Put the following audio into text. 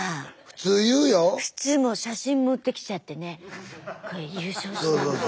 普通もう写真持ってきちゃってねこれ優勝したんです。